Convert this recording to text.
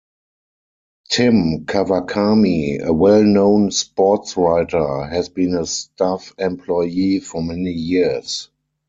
Tim Kawakami, a well-known sportswriter, has been a staff employee for many years.